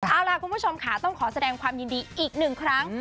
เอาล่ะคุณผู้ชมค่ะต้องขอแสดงความยินดีอีกหนึ่งครั้ง